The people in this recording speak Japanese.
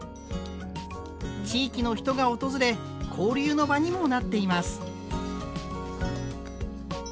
地域の人が訪れ交流の場にもなっています。